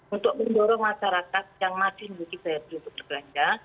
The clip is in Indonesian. untuk mendorong masyarakat yang masih memiliki daya bergelanda